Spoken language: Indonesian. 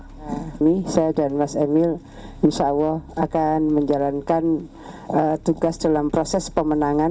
kami saya dan mas emil insya allah akan menjalankan tugas dalam proses pemenangan